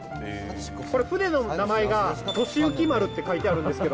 これ、船の名前が俊幸丸って書いてあるんですけど。